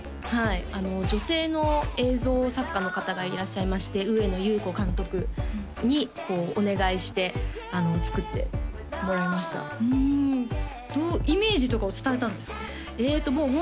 はい女性の映像作家の方がいらっしゃいまして植野有子監督にお願いして作ってもらいましたうんどうイメージとかは伝えたんですか？